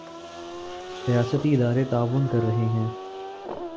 ریاستی ادارے تعاون کر رہے ہیں۔